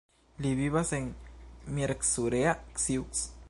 Li vivas en Miercurea Ciuc.